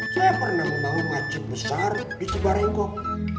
saya pernah membangun masjid besar di cibarenggok